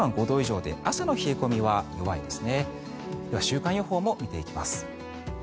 では、週間予報も見ていきます。